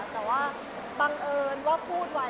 แต่ว่าบังเอิญว่าพูดไว้